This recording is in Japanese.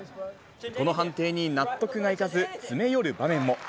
この判定に納得がいかず、詰め寄る場面も。